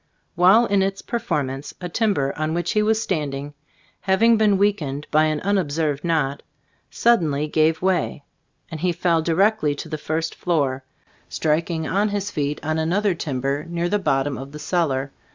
While in its perform ance, a timber on which he was stand ing, having been weakened by an un observed knot, suddenly gave way, and he fell directly to the first floor, striking on his feet on another timber near the bottom of the cellar.